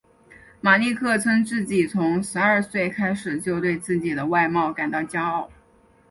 马利克称自己从十二岁开始就对自己的外貌感到骄傲。